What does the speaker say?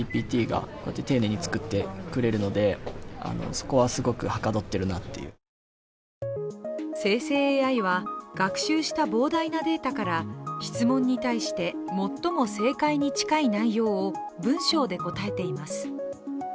部活の資料を作らせてみると生成ＡＩは学習した膨大なデータから質問に対して最も正解に近い内容を文章で答えています。